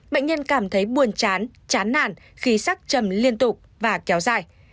bệnh nhân cảm thấy buồn chán chán nạn khi sắc trầm liên tục và kéo dài